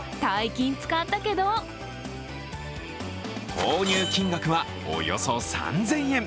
投入金額はおよそ３０００円。